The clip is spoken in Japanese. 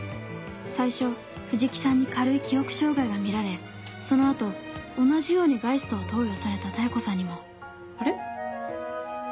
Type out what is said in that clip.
最初藤木さんに軽い記憶障害がみられその後同じようにガイストを投与された妙子さんにもあれ？